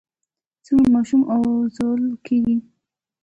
څنګه ماشوم ارزول کېږي؟